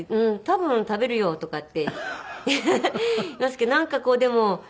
「多分食べるよ」とかって言いますけどなんかこうでも。